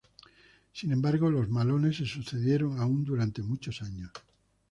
Sin embargo los malones se sucedieron aun durante muchos años.